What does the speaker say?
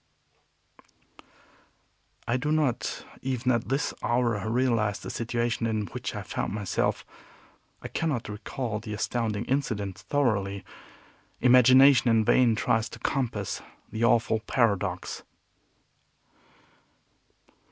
I do not, even at this hour, realize the situation in which I found myself. I cannot recall the astounding incident thoroughly. Imagination in vain tries to compass the awful paradox.